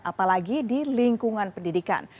apalagi di lingkungan pendidikan